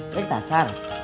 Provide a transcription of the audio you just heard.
itu di pasar